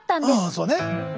あそうね！